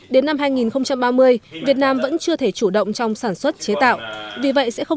đến năm hai nghìn ba mươi việt nam vẫn chưa thể chủ động trong sản xuất chế tạo